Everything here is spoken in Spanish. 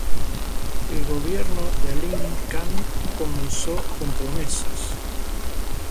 El gobierno de Alim Khan comenzó con promesas.